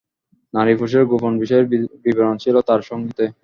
নারী-পুরুষের গোপন বিষয়ের বিবরণ ছিল তার সঙ্গীতে।